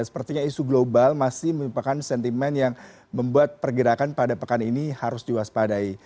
sepertinya isu global masih merupakan sentimen yang membuat pergerakan pada pekan ini harus diwaspadai